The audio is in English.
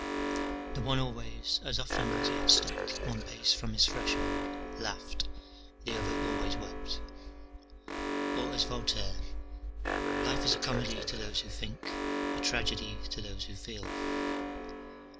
["The one always, as often as he had stepped one pace from his threshold, laughed, the other always wept." Juvenal, Sat., x. 28.] [Or, as Voltaire: "Life is a comedy to those who think; a tragedy to those who feel."